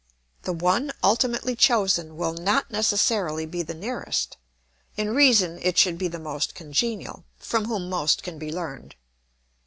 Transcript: The one ultimately chosen will not necessarily be the nearest; in reason it should be the most congenial, from whom most can be learned.